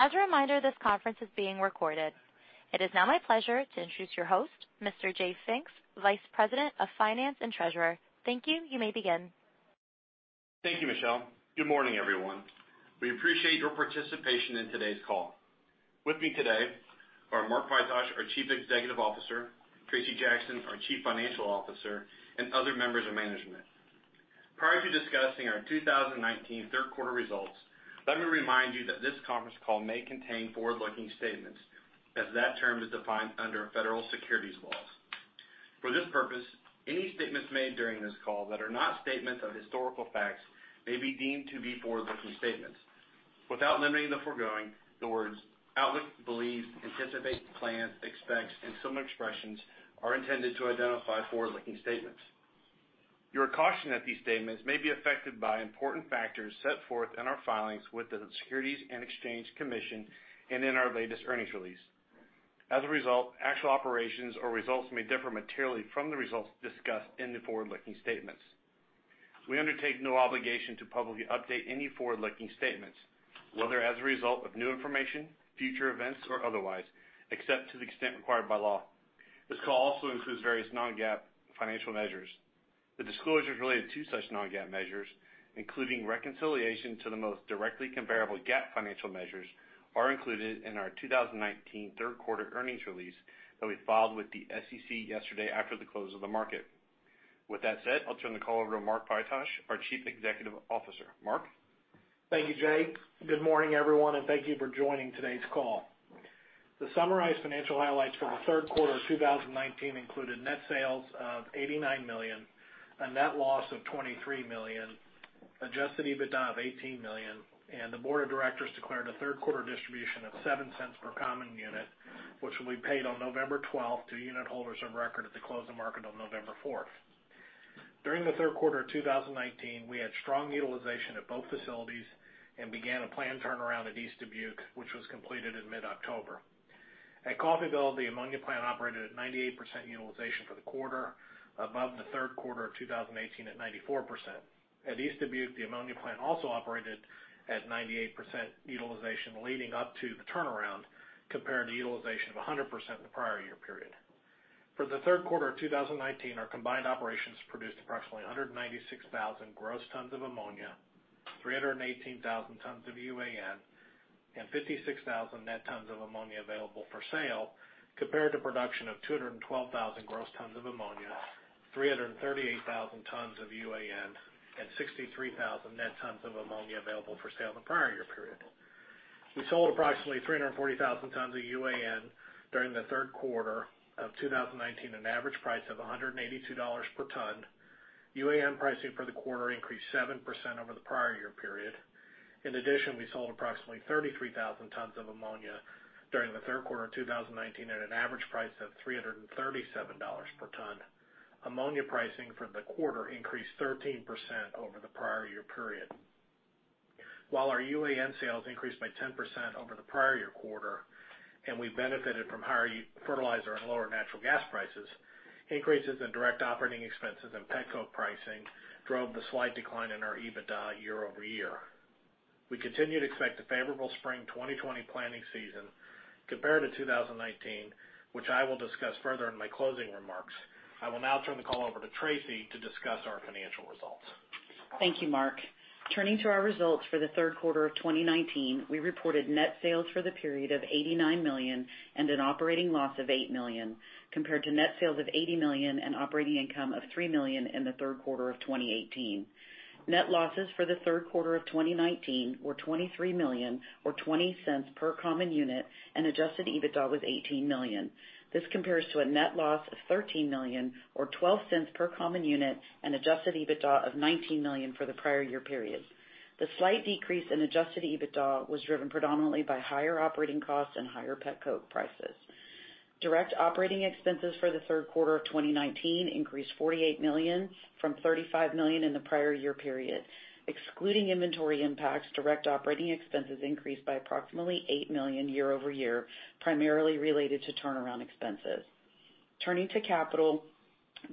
As a reminder, this conference is being recorded. It is now my pleasure to introduce your host, Mr. Jay Finks, Vice President of Finance and Treasurer. Thank you. You may begin. Thank you, Michelle. Good morning, everyone. We appreciate your participation in today's call. With me today are Mark Pytosh, our Chief Executive Officer, Tracy Jackson, our Chief Financial Officer, and other members of management. Prior to discussing our 2019 third quarter results, let me remind you that this conference call may contain forward-looking statements as that term is defined under federal securities laws. For this purpose, any statements made during this call that are not statements of historical facts may be deemed to be forward-looking statements. Without limiting the foregoing, the words outlook, believes, anticipate, plans, expects, and similar expressions are intended to identify forward-looking statements. You are cautioned that these statements may be affected by important factors set forth in our filings with the Securities and Exchange Commission and in our latest earnings release. As a result, actual operations or results may differ materially from the results discussed in the forward-looking statements. We undertake no obligation to publicly update any forward-looking statements, whether as a result of new information, future events, or otherwise, except to the extent required by law. This call also includes various non-GAAP financial measures. The disclosures related to such non-GAAP measures, including reconciliation to the most directly comparable GAAP financial measures, are included in our 2019 third quarter earnings release that we filed with the SEC yesterday after the close of the market. With that said, I'll turn the call over to Mark Pytosh, our Chief Executive Officer. Mark? Thank you, Jay. Good morning, everyone, and thank you for joining today's call. The summarized financial highlights for the third quarter of 2019 included net sales of $89 million, a net loss of $23 million, adjusted EBITDA of $18 million, and the board of directors declared a third quarter distribution of $0.07 per common unit, which will be paid on November 12th to unitholders of record at the close of market on November 4th. During the third quarter of 2019, we had strong utilization at both facilities and began a planned turnaround at East Dubuque, which was completed in mid-October. At Coffeyville, the ammonia plant operated at 98% utilization for the quarter above the third quarter of 2018 at 94%. At East Dubuque, the ammonia plant also operated at 98% utilization leading up to the turnaround compared to utilization of 100% in the prior year period. For the third quarter of 2019, our combined operations produced approximately 196,000 gross tons of ammonia, 318,000 tons of UAN, and 56,000 net tons of ammonia available for sale compared to production of 212,000 gross tons of ammonia, 338,000 tons of UAN, and 63,000 net tons of ammonia available for sale in the prior year period. We sold approximately 340,000 tons of UAN during the third quarter of 2019 at an average price of $182 per ton. UAN pricing for the quarter increased 7% over the prior year period. In addition, we sold approximately 33,000 tons of ammonia during the third quarter of 2019 at an average price of $337 per ton. Ammonia pricing for the quarter increased 13% over the prior year period. While our UAN sales increased by 10% over the prior year quarter, and we benefited from higher fertilizer and lower natural gas prices, increases in direct operating expenses and petcoke pricing drove the slight decline in our EBITDA year-over-year. We continue to expect a favorable spring 2020 planning season compared to 2019, which I will discuss further in my closing remarks. I will now turn the call over to Tracy to discuss our financial results. Thank you, Mark. Turning to our results for the third quarter of 2019, we reported net sales for the period of $89 million and an operating loss of $8 million, compared to net sales of $80 million and operating income of $3 million in the third quarter of 2018. Net losses for the third quarter of 2019 were $23 million or $0.20 per common unit, and adjusted EBITDA was $18 million. This compares to a net loss of $13 million or $0.12 per common unit, and adjusted EBITDA of $19 million for the prior year period. The slight decrease in adjusted EBITDA was driven predominantly by higher operating costs and higher petcoke prices. Direct operating expenses for the third quarter of 2019 increased $48 million from $35 million in the prior year period. Excluding inventory impacts, direct operating expenses increased by approximately $8 million year-over-year, primarily related to turnaround expenses. Turning to capital,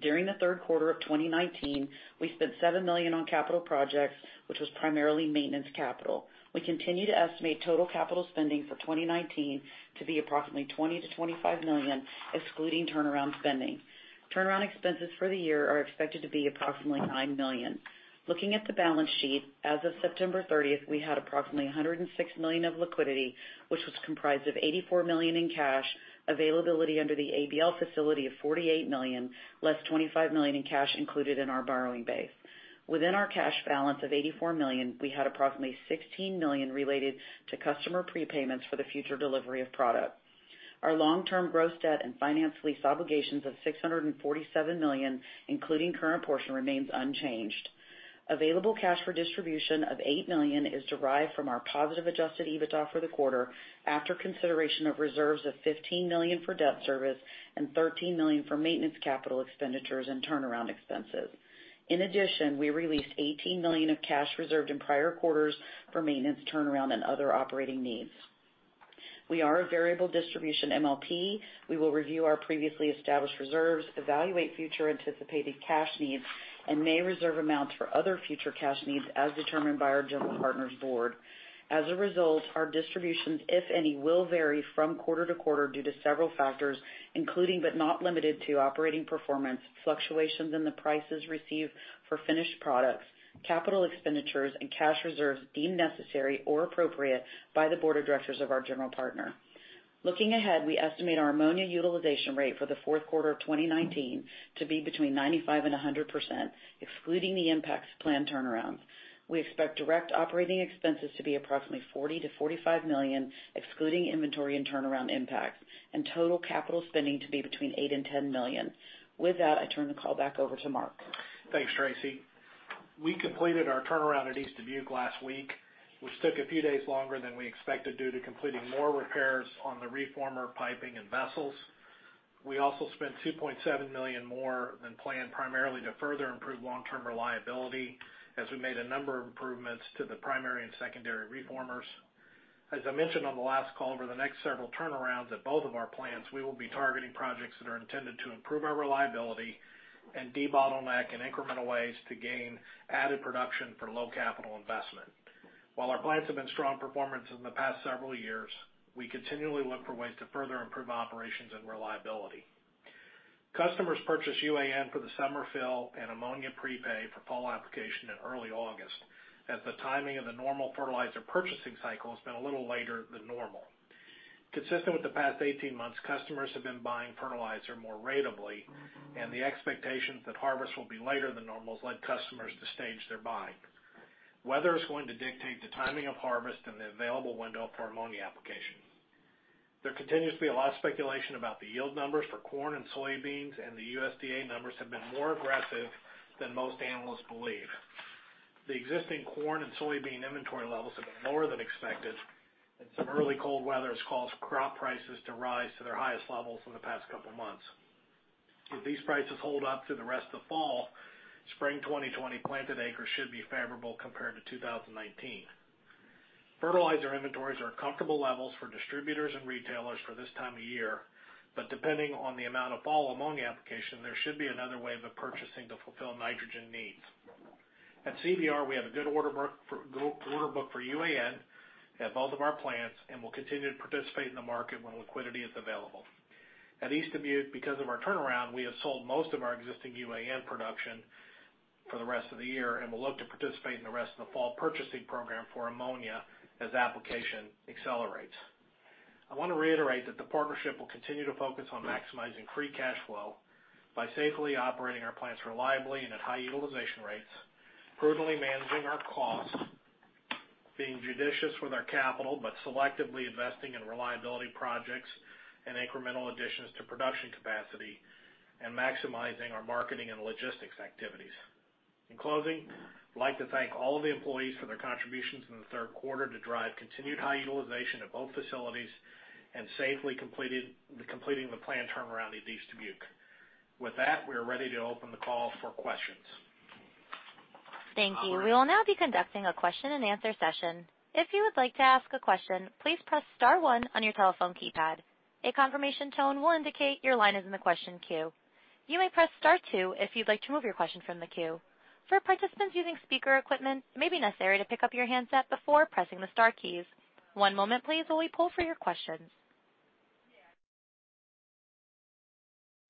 during the third quarter of 2019, we spent $7 million on capital projects, which was primarily maintenance capital. We continue to estimate total capital spending for 2019 to be approximately $20 million-$25 million, excluding turnaround spending. Turnaround expenses for the year are expected to be approximately $9 million. Looking at the balance sheet as of September 30th, we had approximately $106 million of liquidity, which was comprised of $84 million in cash, availability under the ABL facility of $48 million, less $25 million in cash included in our borrowing base. Within our cash balance of $84 million, we had approximately $16 million related to customer prepayments for the future delivery of product. Our long-term gross debt and finance lease obligations of $647 million, including current portion, remains unchanged. Available cash for distribution of $8 million is derived from our positive adjusted EBITDA for the quarter after consideration of reserves of $15 million for debt service and $13 million for maintenance, capital expenditures and turnaround expenses. In addition, we released $18 million of cash reserved in prior quarters for maintenance, turnaround and other operating needs. We are a variable distribution MLP. We will review our previously established reserves, evaluate future anticipated cash needs, and may reserve amounts for other future cash needs as determined by our general partner's board. As a result, our distributions, if any, will vary from quarter to quarter due to several factors, including but not limited to operating performance, fluctuations in the prices received for finished products, capital expenditures, and cash reserves deemed necessary or appropriate by the board of directors of our general partner. Looking ahead, we estimate our ammonia utilization rate for the fourth quarter of 2019 to be between 95% and 100%, excluding the impacts of planned turnarounds. We expect direct operating expenses to be approximately $40 million-$45 million, excluding inventory and turnaround impacts, and total capital spending to be between $8 million and $10 million. With that, I turn the call back over to Mark. Thanks, Tracy. We completed our turnaround at East Dubuque last week, which took a few days longer than we expected due to completing more repairs on the reformer piping and vessels. We also spent $2.7 million more than planned, primarily to further improve long-term reliability, as we made a number of improvements to the primary and secondary reformers. As I mentioned on the last call, over the next several turnarounds at both of our plants, we will be targeting projects that are intended to improve our reliability and debottleneck in incremental ways to gain added production for low capital investment. While our plants have been strong performers in the past several years, we continually look for ways to further improve operations and reliability. Customers purchased UAN for the summer fill and ammonia prepay for fall application in early August, as the timing of the normal fertilizer purchasing cycle has been a little later than normal. Consistent with the past 18 months, customers have been buying fertilizer more ratably, and the expectations that harvest will be later than normal has led customers to stage their buying. Weather is going to dictate the timing of harvest and the available window for ammonia application. There continues to be a lot of speculation about the yield numbers for corn and soybeans, and the USDA numbers have been more aggressive than most analysts believe. The existing corn and soybean inventory levels have been lower than expected, and some early cold weather has caused crop prices to rise to their highest levels in the past couple of months. If these prices hold up through the rest of fall, spring 2020 planted acres should be favorable compared to 2019. Fertilizer inventories are at comfortable levels for distributors and retailers for this time of year, depending on the amount of fall ammonia application, there should be another wave of purchasing to fulfill nitrogen needs. At CVR, we have a good order book for UAN at both of our plants and will continue to participate in the market when liquidity is available. At East Dubuque, because of our turnaround, we have sold most of our existing UAN production for the rest of the year and will look to participate in the rest of the fall purchasing program for ammonia as application accelerates. I want to reiterate that the partnership will continue to focus on maximizing free cash flow by safely operating our plants reliably and at high utilization rates, prudently managing our costs, being judicious with our capital, but selectively investing in reliability projects and incremental additions to production capacity, and maximizing our marketing and logistics activities. In closing, I'd like to thank all of the employees for their contributions in the third quarter to drive continued high utilization at both facilities and safely completing the planned turnaround at East Dubuque. With that, we are ready to open the call for questions. Thank you. We will now be conducting a question and answer session. If you would like to ask a question, please press *1 on your telephone keypad. A confirmation tone will indicate your line is in the question queue. You may press *2 if you'd like to remove your question from the queue. For participants using speaker equipment, it may be necessary to pick up your handset before pressing the star keys. One moment please while we poll for your questions.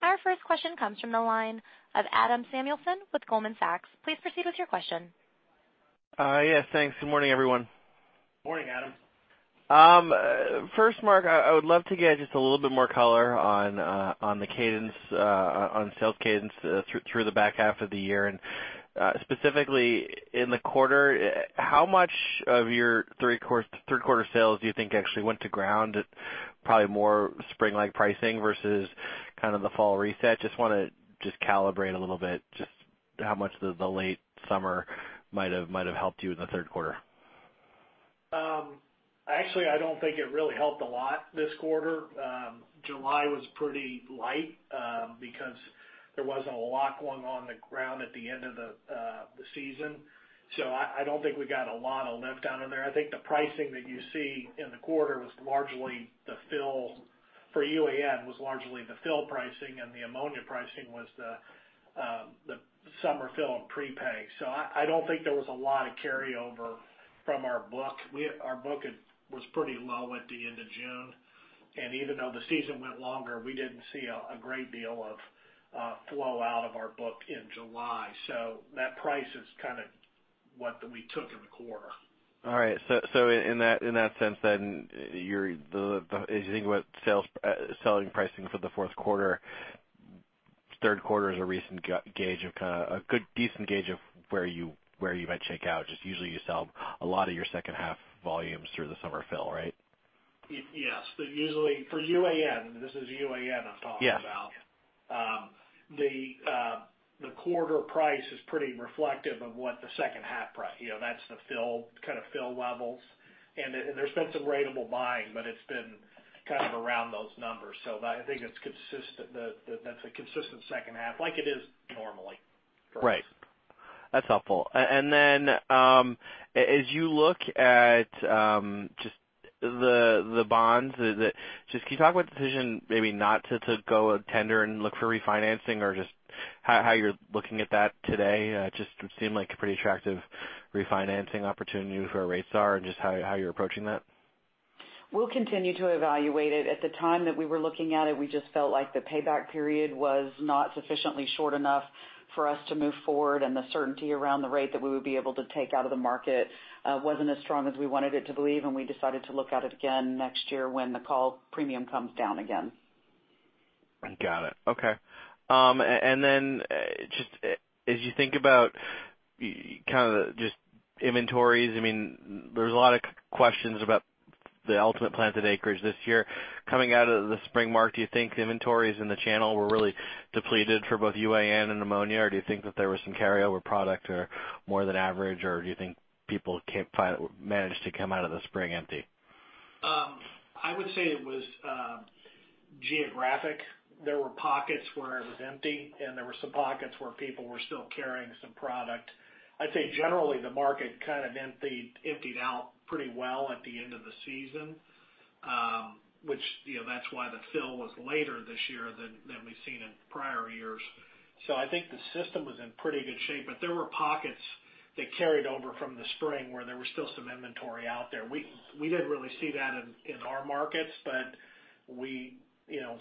Our first question comes from the line of Adam Samuelson with Goldman Sachs. Please proceed with your question. Yes, thanks. Good morning, everyone. Morning, Adam. First, Mark, I would love to get just a little bit more color on sales cadence through the back half of the year. Specifically in the quarter, how much of your three quarter sales do you think actually went to ground at probably more spring-like pricing versus kind of the fall reset? Just want to just calibrate a little bit just how much the late summer might have helped you in the third quarter. Actually, I don't think it really helped a lot this quarter. July was pretty light because there wasn't a lot going on the ground at the end of the season. I don't think we got a lot of lift out of there. I think the pricing that you see in the quarter for UAN was largely the fill pricing, and the ammonia pricing was the summer fill and prepay. I don't think there was a lot of carryover from our book. Our book was pretty low at the end of June, and even though the season went longer, we didn't see a great deal of flow out of our book in July. That price is kind of what we took in the quarter. All right. In that sense, as you think about selling pricing for the fourth quarter, third quarter is a recent gauge of kind of a good decent gauge of where you might shake out. Usually you sell a lot of your second half volumes through the summer fill, right? Yes. Usually for UAN, this is UAN I'm talking about. Yes. The quarter price is pretty reflective of what the second half price. That's the kind of fill levels. There's been some ratable buying, but it's been kind of around those numbers. I think that's a consistent second half like it is normally. Right. That's helpful. As you look at just the bonds, just can you talk about the decision maybe not to go tender and look for refinancing, or just how you're looking at that today? Just would seem like a pretty attractive refinancing opportunity for where rates are and just how you're approaching that. We'll continue to evaluate it. At the time that we were looking at it, we just felt like the payback period was not sufficiently short enough for us to move forward, and the certainty around the rate that we would be able to take out of the market wasn't as strong as we wanted it to believe, and we decided to look at it again next year when the call premium comes down again. Got it. Okay. Just as you think about kind of just inventories, there's a lot of questions about the ultimate planted acreage this year. Coming out of the spring, Mark, do you think inventories in the channel were really depleted for both UAN and ammonia, or do you think that there was some carryover product or more than average, or do you think people managed to come out of the spring empty? I would say it was geographic. There were pockets where it was empty, and there were some pockets where people were still carrying some product. I'd say generally the market kind of emptied out pretty well at the end of the season, which that's why the fill was later this year than we've seen in prior years. I think the system was in pretty good shape, but there were pockets that carried over from the spring where there was still some inventory out there. We didn't really see that in our markets, but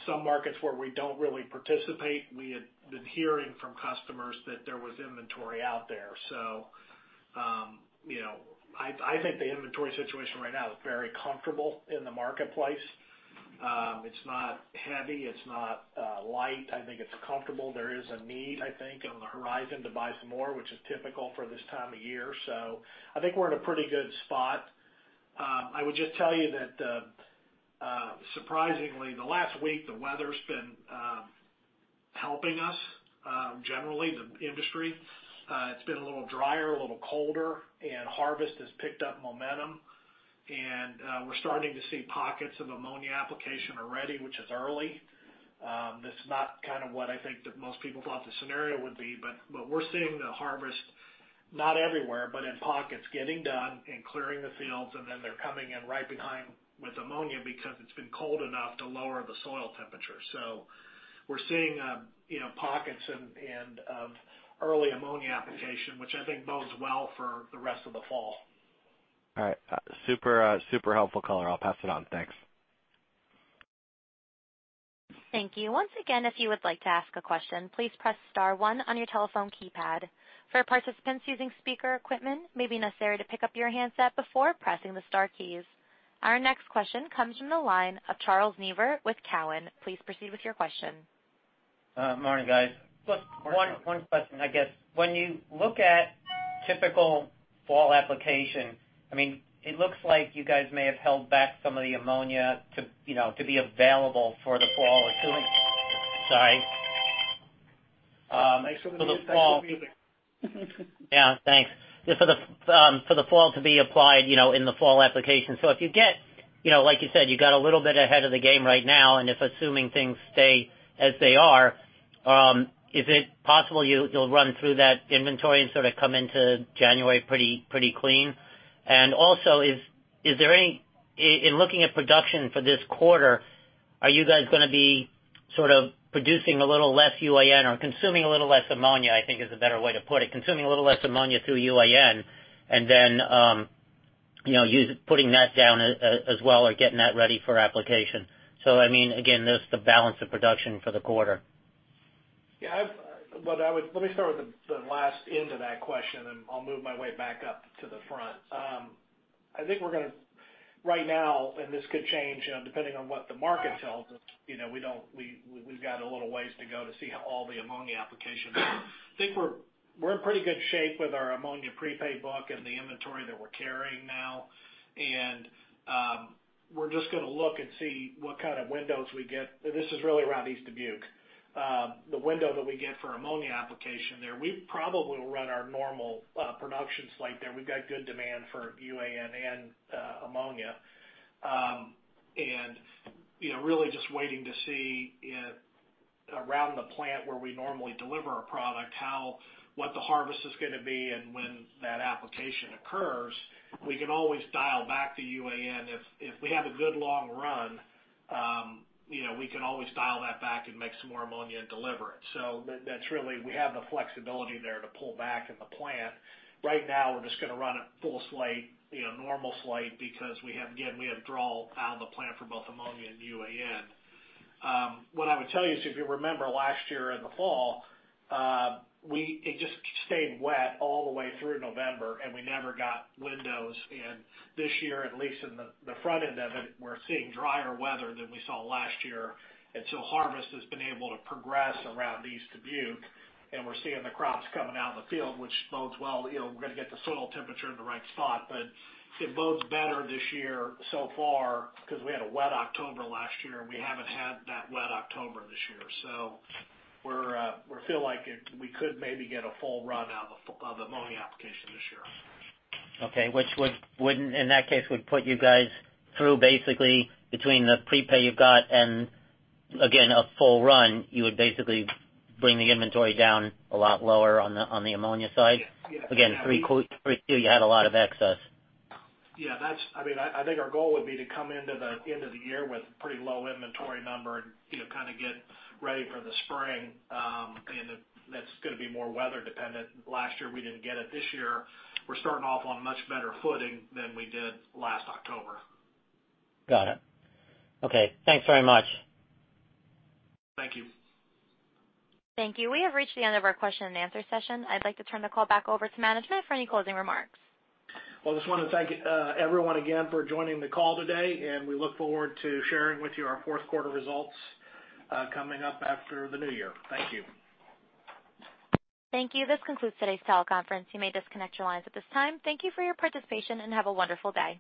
some markets where we don't really participate, we had been hearing from customers that there was inventory out there. I think the inventory situation right now is very comfortable in the marketplace. It's not heavy, it's not light. I think it's comfortable. There is a need, I think, on the horizon to buy some more, which is typical for this time of year. I think we're in a pretty good spot. I would just tell you that surprisingly the last week the weather's been helping us generally, the industry. It's been a little drier, a little colder, and harvest has picked up momentum and we're starting to see pockets of ammonia application already, which is early. That's not kind of what I think that most people thought the scenario would be, but we're seeing the harvest, not everywhere, but in pockets, getting done and clearing the fields, and then they're coming in right behind with ammonia because it's been cold enough to lower the soil temperature. We're seeing pockets of early ammonia application, which I think bodes well for the rest of the fall. All right. Super helpful color. I'll pass it on. Thanks. Thank you. Once again, if you would like to ask a question, please press star one on your telephone keypad. For participants using speaker equipment, it may be necessary to pick up your handset before pressing the star keys. Our next question comes from the line of Charles Neivert with Cowen. Please proceed with your question. Morning, guys. Just one question, I guess. When you look at typical fall application, it looks like you guys may have held back some of the ammonia to be available for the fall or two. Sorry. Make sure to mute that computer. Thanks. For the fall to be applied in the fall application. If you get, like you said, you got a little bit ahead of the game right now, and if assuming things stay as they are, is it possible you'll run through that inventory and sort of come into January pretty clean? Also, in looking at production for this quarter, are you guys gonna be sort of producing a little less UAN or consuming a little less ammonia, I think is a better way to put it, consuming a little less ammonia through UAN and then putting that down as well or getting that ready for application. Again, just the balance of production for the quarter. Yeah. Let me start with the last end of that question, and I'll move my way back up to the front. I think we're gonna right now, and this could change depending on what the market tells us. We've got a little ways to go to see how all the ammonia application goes. I think we're in pretty good shape with our ammonia prepaid book and the inventory that we're carrying now, and we're just gonna look and see what kind of windows we get. This is really around East Dubuque. The window that we get for ammonia application there, we probably will run our normal production slate there. We've got good demand for UAN and ammonia. Really just waiting to see around the plant where we normally deliver a product, what the harvest is gonna be and when that application occurs. We can always dial back the UAN. If we have a good long run, we can always dial that back and make some more ammonia and deliver it. That's really, we have the flexibility there to pull back in the plant. Right now we're just gonna run a full slate, normal slate because we have, again, we have draw out of the plant for both ammonia and UAN. What I would tell you is, if you remember last year in the fall, it just stayed wet all the way through November, and we never got windows in. This year, at least in the front end of it, we're seeing drier weather than we saw last year. Harvest has been able to progress around East Dubuque, and we're seeing the crops coming out in the field, which bodes well. We're gonna get the soil temperature in the right spot. It bodes better this year so far because we had a wet October last year, and we haven't had that wet October this year. We feel like we could maybe get a full run out of ammonia application this year. Okay. Which would, in that case, would put you guys through basically between the prepay you've got and again, a full run, you would basically bring the inventory down a lot lower on the ammonia side. Yeah. Again, 3Q, you had a lot of excess. Yeah. I think our goal would be to come into the end of the year with pretty low inventory number and kind of get ready for the spring. That's gonna be more weather dependent. Last year we didn't get it. This year we're starting off on much better footing than we did last October. Got it. Okay. Thanks very much. Thank you. Thank you. We have reached the end of our question and answer session. I'd like to turn the call back over to management for any closing remarks. Well, I just want to thank everyone again for joining the call today. We look forward to sharing with you our fourth quarter results coming up after the new year. Thank you. Thank you. This concludes today's teleconference. You may disconnect your lines at this time. Thank you for your participation, and have a wonderful day.